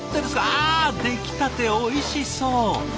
あ出来たておいしそう！